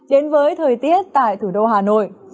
đến với thời tiết tại thủ đô hà nội